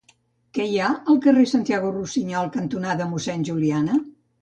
Què hi ha al carrer Santiago Rusiñol cantonada Mossèn Juliana?